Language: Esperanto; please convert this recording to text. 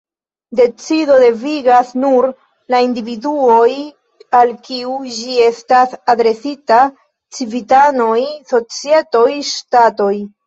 Decido devigas nur la "individuoj", al kiu ĝi estas adresita: civitanoj, societoj, ŝtatoj.